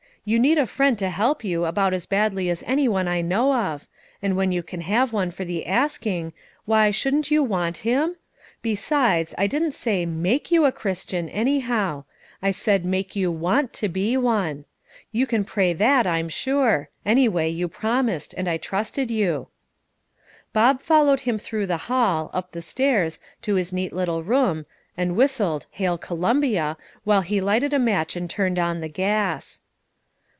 You need a friend to help you about as badly as any one I know of, and when you can have one for the asking, why shouldn't you want Him? Besides, I didn't say make you a Christian, anyhow; I said make you want to be one. You can pray, that I'm sure; any way, you promised, and I trusted you." Bob followed him through the hall, up the stairs, to his neat little room, and whistled "Hail, Columbia," while he lighted a match and turned on the gas.